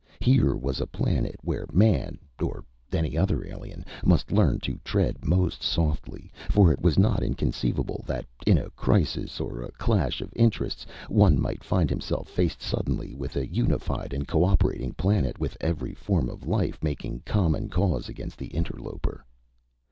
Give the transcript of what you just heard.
Here was a planet where Man, or any other alien, must learn to tread most softly. For it was not inconceivable that, in a crisis or a clash of interests, one might find himself faced suddenly with a unified and cooperating planet, with every form of life making common cause against the interloper.